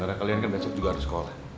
karena kalian besok juga harus sekolah